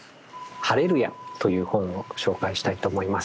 「ハレルヤ」という本を紹介したいと思います。